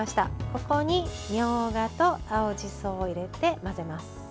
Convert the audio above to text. ここにみょうがと青じそを入れて混ぜます。